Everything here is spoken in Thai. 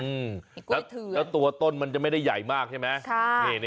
มีกล้วยเถือนแล้วตัวต้นมันจะไม่ได้ใหญ่มากใช่ไหม